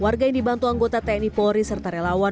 warga yang dibantu anggota tni polri serta relawan